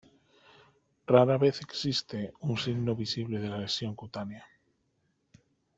Rara vez existe un signo visible de la lesión cutánea.